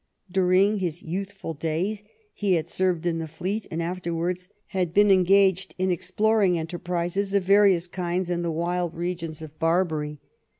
During his youthful days he had served in the fleet and afterwards had been engaged in exploring enterprises of various kinds in the wild regions of Barbary.